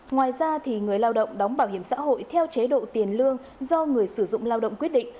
ngoài ra người lao động đóng bảo hiểm xã hội theo chế độ tiền lương do người sử dụng lao động quyết định